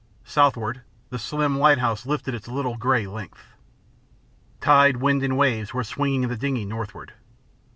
Southward, the slim lighthouse lifted its little grey length. Tide, wind, and waves were swinging the dingey northward.